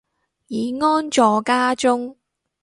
已安坐家中